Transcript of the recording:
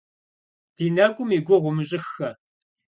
Ди нэкӀум и гугъу умыщӀыххэ.